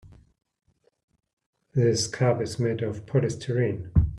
This cup is made of polystyrene.